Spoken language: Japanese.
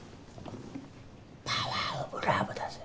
パワーオブラブだぜ。